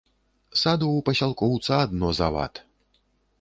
Саду ў пасялкоўца адно завад.